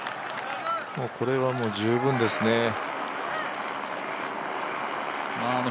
これはもう十分ですね。